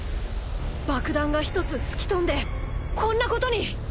爆弾が１つ吹き飛んでこんなことに！